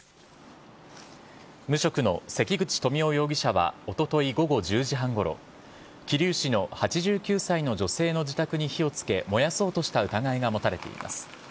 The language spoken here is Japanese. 無職の関口富夫容疑者はおととい午後１０時半ごろ、桐生市の８９歳の女性の自宅に火をつけ燃やそうとした疑いが持たれています。